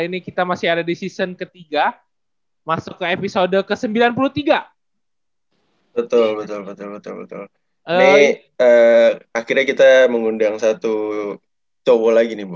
ini akhirnya kita mengundang satu cowok lagi nih bu